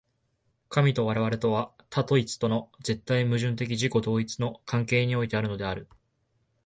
神と我々とは、多と一との絶対矛盾的自己同一の関係においてあるのである。